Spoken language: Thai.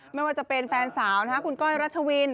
ไม่ว่าจะเป็นแฟนสาวคุณก้อยรัชวิน